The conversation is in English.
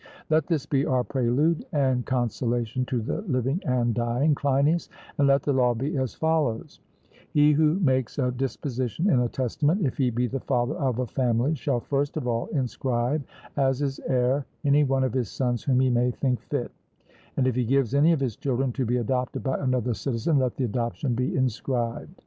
Let this be our prelude and consolation to the living and dying, Cleinias, and let the law be as follows: He who makes a disposition in a testament, if he be the father of a family, shall first of all inscribe as his heir any one of his sons whom he may think fit; and if he gives any of his children to be adopted by another citizen, let the adoption be inscribed.